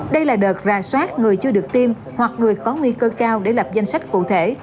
đây là đợt ra soát người chưa được tiêm hoặc người có nguy cơ cao để lập danh sách cụ thể